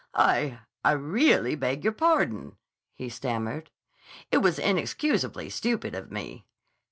"I—I really beg your pardon," he stammered. "It was inexcusably stupid of me."